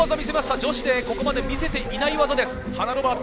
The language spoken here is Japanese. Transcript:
女子で、ここまで見せていない技です。